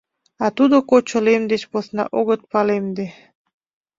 А тудым кочо лем деч посна огыт палемде.